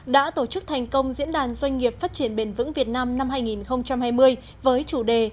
đã tổ chức thành công diễn đàn doanh nghiệp phát triển bền vững việt nam năm hai nghìn hai mươi với chủ đề